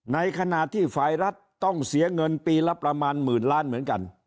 ในขณะที่ฝ่ายรัฐต้องเสียเงินปีละประมาณหมื่นล้านเหมือนกัน